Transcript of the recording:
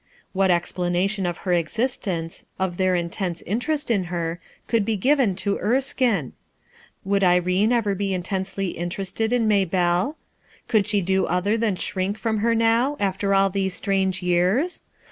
What explanation of her existence, of their intense interest in her, could be given to Erskine? Would Irene ever be intensely interested in Maybelle? Could she do other than shrink from her now, after all these strange years?